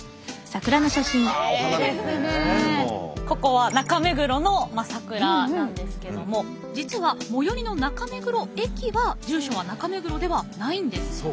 ここは中目黒の桜なんですけども実は最寄りの中目黒駅は住所は中目黒ではないんです。